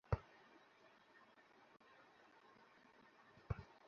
কারণ ধারের শর্ত নাকি ছিল তাঁকে চেলসির বিপক্ষে মাঠে নামানো যাবে না।